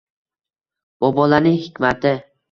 Bobolarning hikmati